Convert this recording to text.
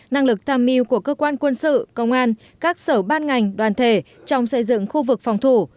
năng lực tham mưu của cơ quan quân sự công an các sở ban ngành đoàn thể trong xây dựng khu vực phòng thủ